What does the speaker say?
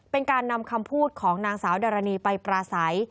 เป็นการนำคำพูดของนางสาวดารณีไปปราศัย